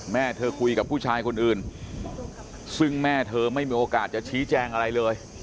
แม่เธอคุยกับผู้ชายคนอื่นซึ่งแม่เธอไม่มีโอกาสจะชี้แจงอะไรเลย